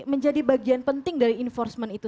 menjadi bagian penting dari enforcement itu